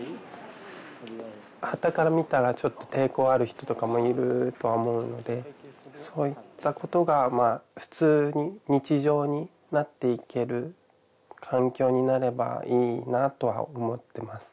はたから見たらちょっと抵抗ある人とかもいると思うのでそういったことが普通に日常になっていける環境になればいいなとは思ってます